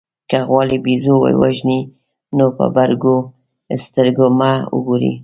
که غواړئ بېزو ووژنئ نو په برګو سترګو مه ورګورئ.